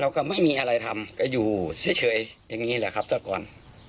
ก็ไม่มีอะไรทำก็อยู่เฉยอย่างนี้แหละครับแต่ก่อน